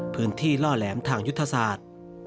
พื้นที่ล่อแหลมทางยุทธศาสตร์